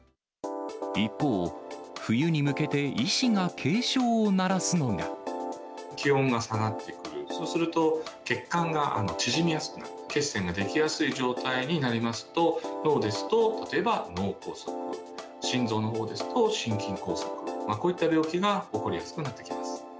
一方、冬に向けて、気温が下がってくる、そうすると、血管が縮みやすくなる、血栓が出来やすい状態になりますと、脳ですと、例えば脳梗塞、心臓のほうですと心筋梗塞、こういった病気が起こりやすくなってきます。